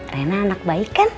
reina anak baik kan